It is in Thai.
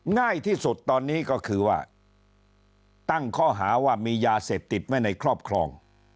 ง่ายที่สุดตอนนี้ก็คือว่าตั้งข้อหาว่ามียาเสพติดไว้ในครอบครอง